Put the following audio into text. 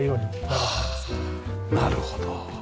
はあなるほど。